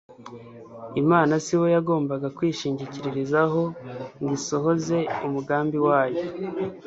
Imana sibo yagombaga kwishingikirizaho ngo isohoze umugambi wayo.